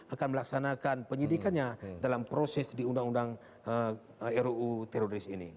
akan melaksanakan penyidikannya dalam proses di undang undang ruu teroris ini